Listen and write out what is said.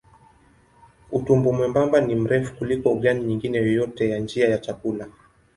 Utumbo mwembamba ni mrefu kuliko ogani nyingine yoyote ya njia ya chakula.